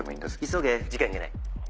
急げ時間がない。